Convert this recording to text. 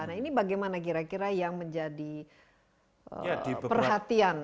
nah ini bagaimana kira kira yang menjadi perhatian